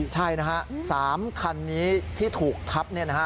ใช่นะฮะ๓คันนี้ที่ถูกทับเนี่ยนะฮะ